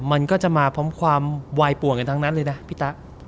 มันก็จะมาพร้อมความวายป่วนกันทั้งนั้นเลยนะพี่ตะ